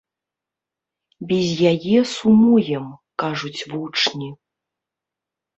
Без яе сумуем, кажуць вучні.